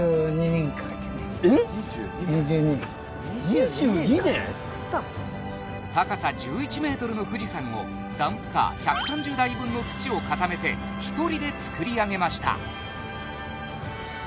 ２２年高さ１１メートルの富士山をダンプカー１３０台分の土を固めて１人で造り上げました